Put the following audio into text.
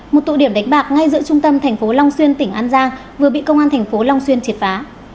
một tụ điểm đánh bạc ngay giữa trung tâm thành phố long xuyên tỉnh an giang vừa bị công an thành phố long xuyên triệt phá